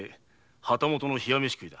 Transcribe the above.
旗本の冷や飯食いだ。